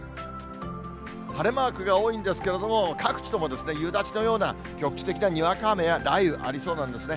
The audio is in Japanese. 晴れマークが多いんですけれども、各地とも夕立のような局地的なにわか雨や雷雨ありそうなんですね。